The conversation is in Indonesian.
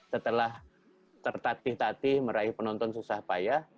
setelah tertatih tatih meraih penonton susah payah